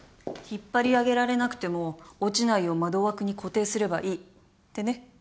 引っ張り上げられなくても落ちないよう窓枠に固定すればいいってね。